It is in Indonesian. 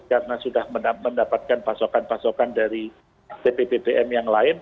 karena sudah mendapatkan pasokan pasokan dari bppbm yang lain